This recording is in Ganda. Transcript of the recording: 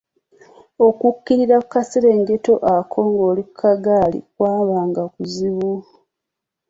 Okukkirira ku kaserengeto ako ng’oli ku ggaali kwabanga kuzibu.